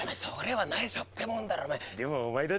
それはないしょってもんだろうお前。